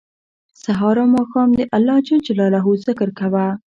سهار او ماښام د الله ج ذکر کوه